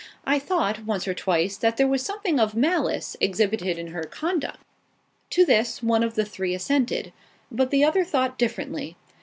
I thought, once or twice, that there was something of malice exhibited in her conduct." To this, one of the three assented. But the other thought differently.